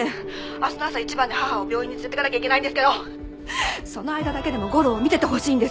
明日の朝一番で母を病院に連れていかなきゃいけないんですけどその間だけでも吾良を見ててほしいんです。